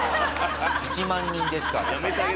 １万人ですから。